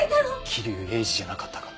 霧生鋭治じゃなかったか？